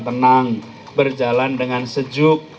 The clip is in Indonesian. terakhir dari relopsi juga berarti ke